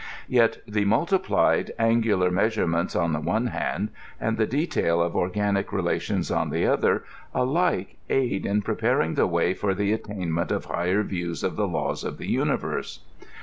Yet the multiplied an gular measurements on the one hand, and the detail of organic relations on the other, alike aid in preparing the way for the attainment of higher views* of the laws of the universe.